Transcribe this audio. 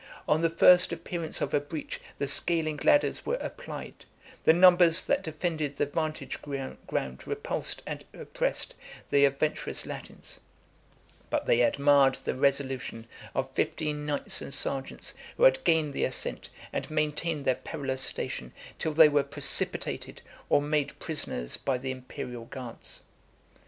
On the first appearance of a breach, the scaling ladders were applied: the numbers that defended the vantage ground repulsed and oppressed the adventurous Latins; but they admired the resolution of fifteen knights and sergeants, who had gained the ascent, and maintained their perilous station till they were precipitated or made prisoners by the Imperial guards.